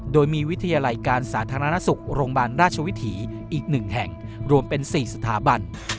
โดยมีวิทยาลัยการสาธารณสุขโรงพยาบาลราชวิถีอีก๑แห่งรวมเป็น๔สถาบัน